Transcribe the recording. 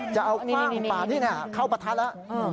จะเอาคว่างป่านี่เข้าประทัดแล้ว